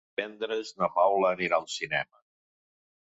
Divendres na Paula anirà al cinema.